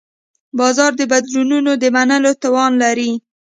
بازار د بدلونونو د منلو توان لري.